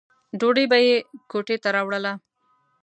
ډوډۍ به یې کوټې ته راوړله.